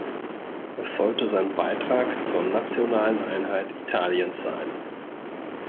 Es sollte sein Beitrag zur nationalen Einheit Italiens sein.